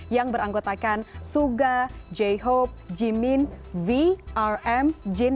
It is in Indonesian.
yang beranggotakan suga j hope jimin v rm jin